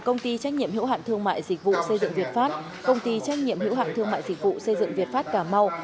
công ty trách nhiệm hữu hạn thương mại dịch vụ xây dựng việt pháp công ty trách nhiệm hữu hạn thương mại dịch vụ xây dựng việt pháp cà mau